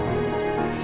uya buka gerbang